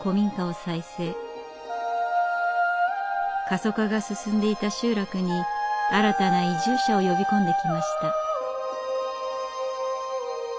過疎化が進んでいた集落に新たな移住者を呼び込んできました。